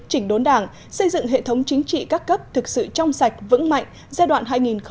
chỉnh đốn đảng xây dựng hệ thống chính trị các cấp thực sự trong sạch vững mạnh giai đoạn hai nghìn một mươi sáu hai nghìn hai mươi